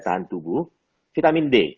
tahan tubuh vitamin d